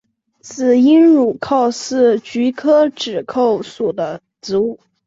紫缨乳菀是菊科紫菀属的植物。